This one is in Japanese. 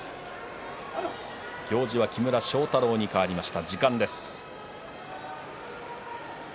行司は木村庄太郎に変わりました。